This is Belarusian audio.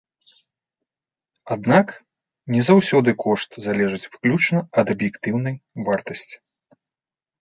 Аднак, не заўсёды кошт залежыць выключна ад аб'ектыўнай вартасці.